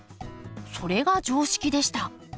それが常識でした。